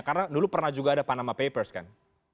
karena dulu pernah juga ada panama papers kan